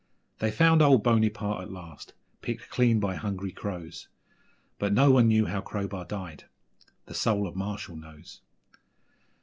They found old Bonypart at last, picked clean by hungry crows, But no one knew how Crowbar died the soul of Marshall knows!